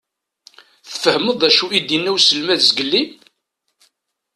Tfehmeḍ d acu i d-inna uselmad zgelli?